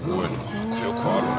迫力あるね。